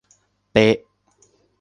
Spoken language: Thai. เป๊ะ